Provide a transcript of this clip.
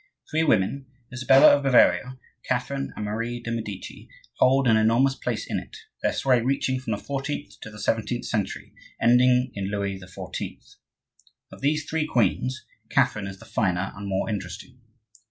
Three women—Isabella of Bavaria, Catharine and Marie de' Medici—hold an enormous place in it, their sway reaching from the fourteenth to the seventeenth century, ending in Louis XIV. Of these three queens, Catherine is the finer and more interesting.